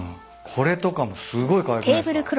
これとかもすごいかわいくないっすか？